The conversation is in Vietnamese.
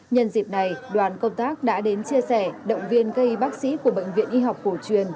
nhân dịp này đoàn công tác đã đến chia sẻ động viên cây bác sĩ của bệnh viện y học cổ truyền